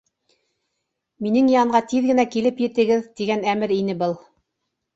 Минең янға тиҙ генә килеп етегеҙ, тигән әмер ине был.